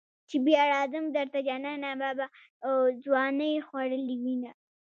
چې بیا راځم درته جانانه ما به ځوانی خوړلې وینه.